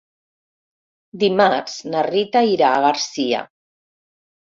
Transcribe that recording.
Dimarts na Rita irà a Garcia.